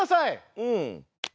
うん。